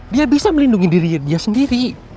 dia bisa melindungi diri dia sendiri